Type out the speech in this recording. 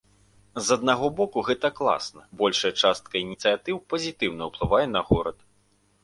З аднаго боку, гэта класна, большая частка ініцыятыў пазітыўна ўплывае на горад.